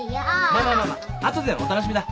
まあまあまあまあ後でのお楽しみだ。